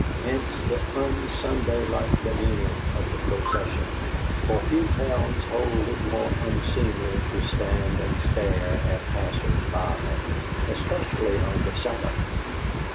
Hence the un Sunday like demeanor of the procession, for few towns hold it more unseemly to stand and stare at passers by, especially on the Sabbath.